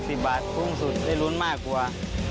กระเป๋าแดง๑๐บาทพรุ่งสุดได้รุ้นมากกว่า